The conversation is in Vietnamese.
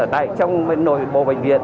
ở trong nội bộ bệnh viện